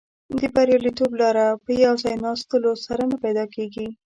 د بریالیتوب لاره په یو ځای ناستلو سره نه پیدا کیږي.